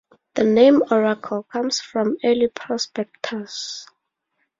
The name "Oracle" comes from early prospectors.